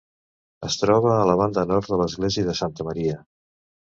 Es troba a la banda nord de l'església de Santa Maria.